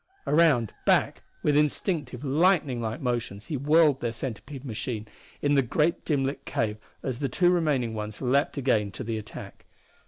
Around back with instinctive, lightninglike motions he whirled their centipede machine in the great dim lit cave as the two remaining ones leapt again to the attack.